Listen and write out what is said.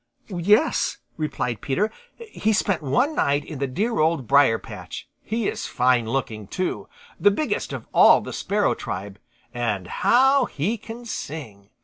"Yes," replied Peter. "He spent one night in the dear Old Briar patch. He is fine looking too, the biggest of all the Sparrow tribe, and HOW he can sing.